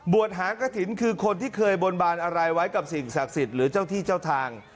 หากฐินคือคนที่เคยบนบานอะไรไว้กับสิ่งศักดิ์สิทธิ์หรือเจ้าที่เจ้าทาง